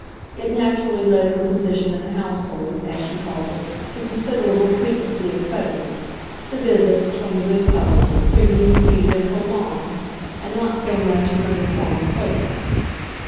It naturally led her position in the household, as, she called it, to considerable frequency of presence, to visits, from the good couple, freely repeated and prolonged, and not so much as under form of protest.